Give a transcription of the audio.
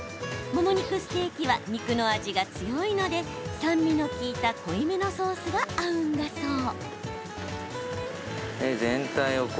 もも肉ステーキは肉の味が強いので、酸味の利いた濃い目のソースが合うんだそう。